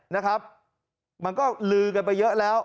นะครับมันก็ลือกันไปเยอะแล้ว